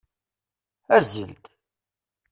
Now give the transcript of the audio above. Azzel-d!